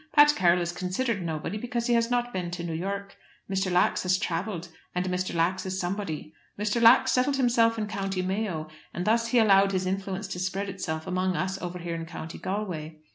Pat Carroll is considered nobody, because he has not been to New York. Mr. Lax has travelled, and Mr. Lax is somebody. Mr. Lax settled himself in County Mayo, and thus he allowed his influence to spread itself among us over here in County Galway.